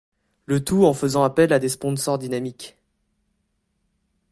Le tout en faisant appel à des sponsors dynamiques.